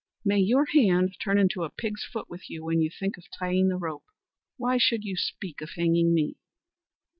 "May your hand turn into a pig's foot with you when you think of tying the rope; why should you speak of hanging me?"